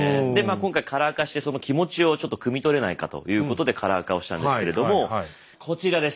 今回カラー化して気持ちをくみ取れないかということでカラー化をしたんですけれどもこちらです。